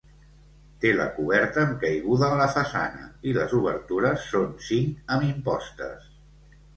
Té la coberta amb caiguda a la façana i les obertures són cinc amb impostes.